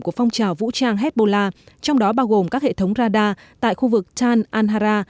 của phong trào vũ trang hezbollah trong đó bao gồm các hệ thống radar tại khu vực tan anhara